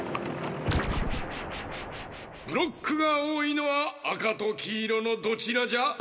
ブロックがおおいのはあかときいろのどちらじゃ？